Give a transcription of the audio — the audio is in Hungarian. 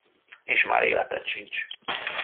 És már életed sincs!